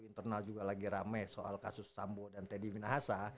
internal juga lagi rame soal kasus sambo dan teddy minahasa